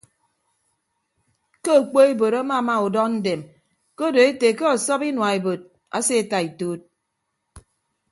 Ke okpoebod amama udọndem ke odo ete ke ọsọp inua ebod aseeta ituud.